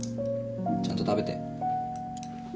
ちゃんと食べて。